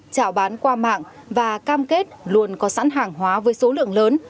trảo bán qua mạng và cam kết luôn có sẵn hàng hóa với số lượng lớn